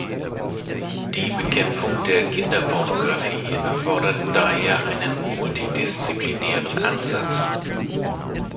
Die Bekämpfung der Kinderpornographie erfordert daher einen multidisziplinären Ansatz.